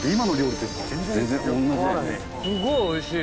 すごいおいしい。